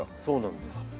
そうなんです。